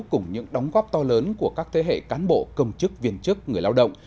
cùng những đóng góp to lớn của các thế hệ cán bộ công chức viên chức người lao động